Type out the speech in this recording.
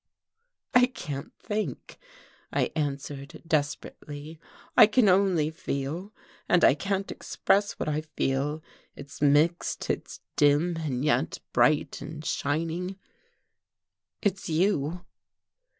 "I can't think," I answered desperately, "I can only feel and I can't express what I feel. It's mixed, it's dim, and yet bright and shining it's you."